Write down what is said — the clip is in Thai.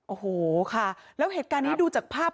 โอ้โหค่ะแล้วเหตุการณ์นี้ดูจากภาพ